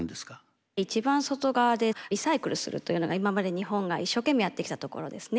一番外側でリサイクルするというのが今まで日本が一生懸命やってきたところですね。